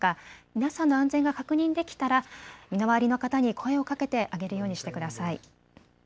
皆さんの安全が確認できたら身の回りの方に声をかけてあげるようにしてください。